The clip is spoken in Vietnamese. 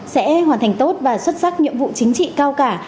sẽ hoàn thành tốt và xuất sắc nhiệm vụ chính trị cao cả